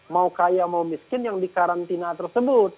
mau kaya mau miskin yang di karantina tersebut